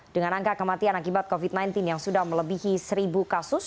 dengan angka kematian akibat covid sembilan belas yang sudah melebihi satu kasus